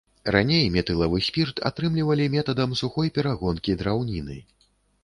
Раней метылавы спірт атрымлівалі метадам сухой перагонкі драўніны.